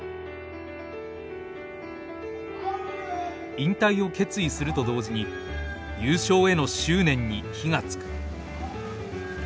引退を決意すると同時に優勝への執念に火がつく。